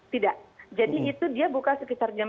tidak jadi itu dia buka sekitar jam